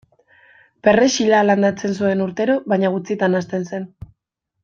Perrexila landatzen zuen urtero baina gutxitan hazten zen.